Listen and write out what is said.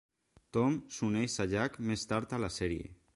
Tom s'uneix a Jack més tard a la sèrie.